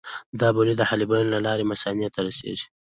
دا بولې د حالبینو له لارې مثانې ته رسېږي.